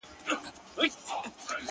هر ماښام به رنگ په رنگ وه خوراكونه؛